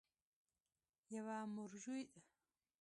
یوه موروثي ارستوکراسي کولای شي نرم وضعیت رامنځته کړي.